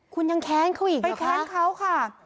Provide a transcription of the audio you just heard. คุณยังแค้นเขาอีกไปแค้นเขาค่ะ